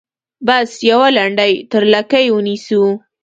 بس یوه لنډۍ تر لکۍ ونیسو.